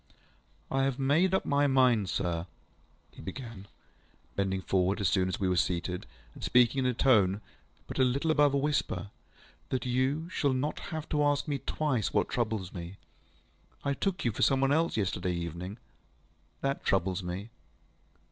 ŌĆ£I have made up my mind, sir, ŌĆØ he began, bending forward as soon as we were seated, and speaking in a tone but a little above a whisper, ŌĆ£that you shall not have to ask me twice what troubles me. I took you for some one else yesterday evening. That troubles me.